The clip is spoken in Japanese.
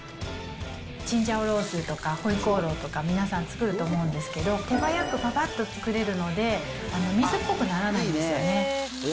チンジャオロースーとかホイコーローとか、皆さん作ると思うんですけど、手早くぱぱっと作れるので、水っぽくならないんですよね。